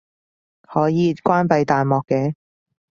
可以關閉彈幕嘅